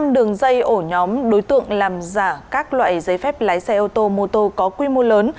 năm đường dây ổ nhóm đối tượng làm giả các loại giấy phép lái xe ô tô mô tô có quy mô lớn